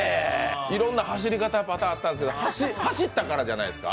いろんな走り方パターンあると思いますけど走ったからじゃないですか？